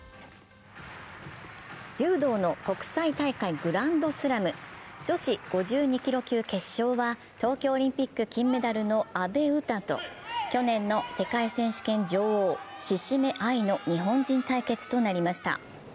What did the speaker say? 柔道の国際大会グランドスラム、女子５２キロ級決勝は東京オリンピック金メダルの阿部詩と去年の世界選手権女王・志々目愛の日本人対決となりました。